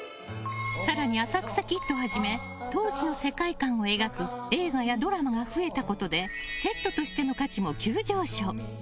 更に、「浅草キッド」はじめ当時の世界観を描く映画やドラマが増えたことでセットとしての価値も急上昇。